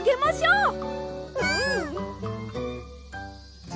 うん！